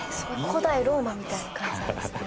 古代ローマみたいな感じなんですね。